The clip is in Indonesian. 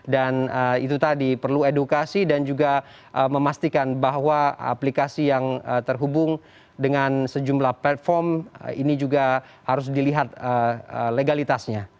dan itu tadi perlu edukasi dan juga memastikan bahwa aplikasi yang terhubung dengan sejumlah platform ini juga harus dilihat legalitasnya